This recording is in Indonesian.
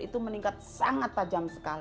itu meningkat sangat tajam sekali